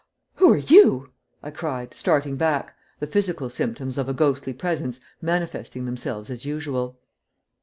"Who are you?" I cried, starting back, the physical symptoms of a ghostly presence manifesting themselves as usual.